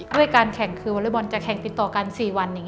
ด้วยการแข่งคือวันไร้บอนจะแข่งติดต่อการสี่วัน